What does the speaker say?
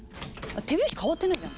手拍子変わってないじゃん。